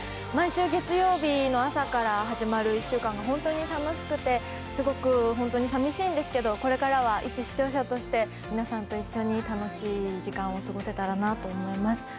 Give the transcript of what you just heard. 毎週月曜日の朝から始まる１週間が本当に楽しくて、すごく本当に寂しいんですけど、これからは一視聴者として、皆さんと一緒に楽しい時間を過ごせたらなと思います。